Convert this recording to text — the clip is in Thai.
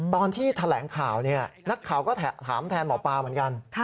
ตอนที่แถลงข่าวนักข่าวก็ถามแทนหมอปลาเหมือนกัน